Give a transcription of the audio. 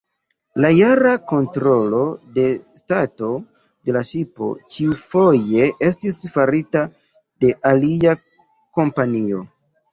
La jara kontrolo de stato de la ŝipo ĉiufoje estis farita de alia kompanio.